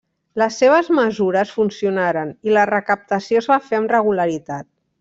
Les seves mesures funcionaren i la recaptació es va fer amb regularitat.